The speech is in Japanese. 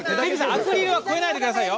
アクリルは越えないでくださいよ！